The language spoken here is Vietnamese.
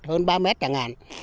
hơn ba mét chẳng hạn